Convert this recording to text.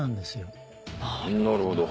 なるほど。